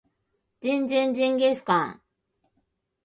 ジンジンジンギスカン